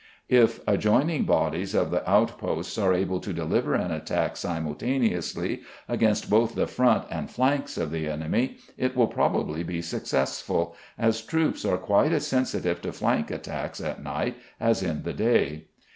If adjoining bodies of the outposts are able to deliver an attack simultaneously against both the front and flanks of the enemy, it will probably be successful, as troops are quite as sensitive to flank attacks at night as in the day.